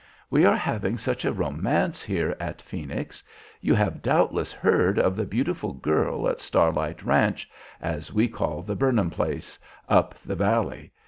"We are having such a romance here at Phoenix. You have doubtless heard of the beautiful girl at 'Starlight Ranch,' as we call the Burnham place, up the valley.